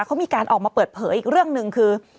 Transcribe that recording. เขามีการออกมาเปิดเผยอีกเรื่องหนึ่งคือ